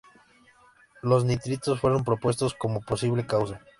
Los nitritos fueron propuestos como posible causa.